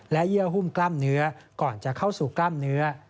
เยื่อหุ้มกล้ามเนื้อก่อนจะเข้าสู่กล้ามเนื้อ